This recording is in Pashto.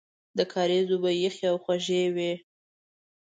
د کاریز اوبه یخې او خوږې وې.